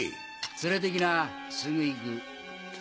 連れてきなすぐ行く。